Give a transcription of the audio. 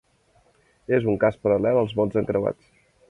És un cas paral·lel als mots encreuats.